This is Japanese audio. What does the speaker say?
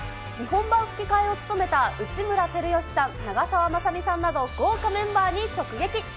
日本版吹き替えを務めた内村光良さん、長澤まさみさんなど、豪華メンバーに直撃。